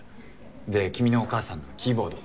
で君のお母さんがキーボード。